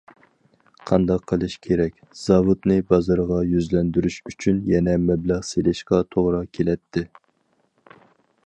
قانداق قىلىش كېرەك؟ زاۋۇتنى بازارغا يۈزلەندۈرۈش ئۈچۈن يەنە مەبلەغ سېلىشقا توغرا كېلەتتى.